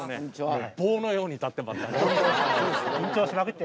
棒のように立って待って。